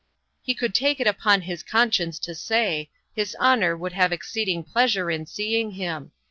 'He could take it upon his conscience to say, his honour would have exceeding pleasure in seeing him.